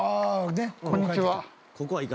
こんにちは。